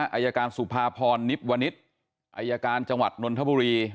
อายการสุภาพรนิบวณิตอายการจังหวัดนนทบุรี